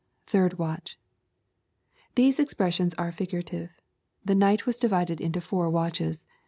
{hird watch J] These expressions are figura tive. The night was divided into four watches.